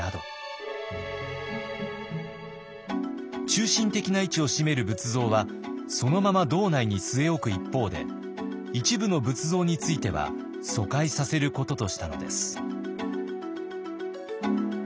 中心的な位置を占める仏像はそのまま堂内に据え置く一方で一部の仏像については疎開させることとしたのです。